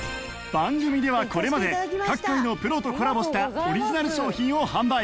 番組ではこれまで各界のプロとコラボしたオリジナル商品を販売